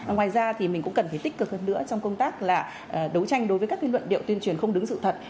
ngoài ra thì mình cũng cần phải tích cực hơn nữa trong công tác là đấu tranh đối với các luận điệu tuyên truyền không đúng sự thật